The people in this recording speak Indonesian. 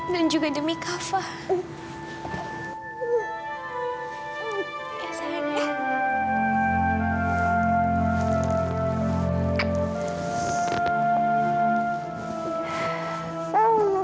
dan juga demi kak fadil